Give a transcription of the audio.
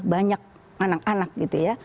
banyak anak anak gitu ya